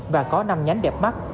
và có năm nhánh đẹp mắt